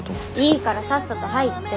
いいからさっさと入って。